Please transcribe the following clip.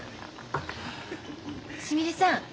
すみれさん。